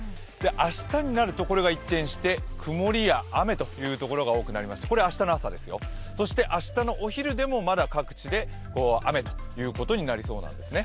明日になると、これが一転して曇りや雨というところが多くなりまして、これは明日の朝、そして明日のお昼でもまだ各地で雨となりそうなんですね。